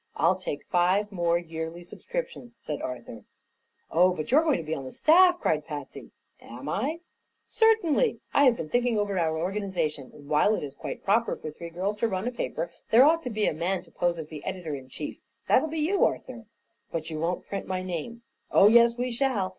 "I'll take five more yearly subscriptions," said Arthur. "Oh, but you're going to be on the staff!" cried Patsy. "Am I?" "Certainly. I've been thinking over our organization and while it is quite proper for three girls to run paper, there ought to be a man to pose as the editor in chief. That'll be you, Arthur." "But you won't print my name?" "Oh, yes we shall.